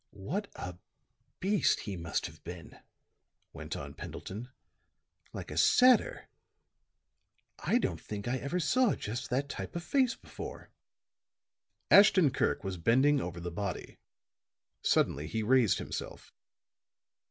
"What a beast he must have been," went on Pendleton. "Like a satyr. I don't think I ever saw just that type of face before." Ashton Kirk was bending over the body; suddenly he raised himself.